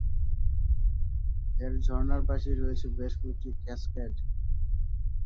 এর ঝর্ণার পাশেই রয়েছে বেশ কয়েকটি ক্যাসকেড।